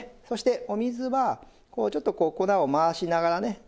そしてお水はこうちょっとこう粉を回しながらね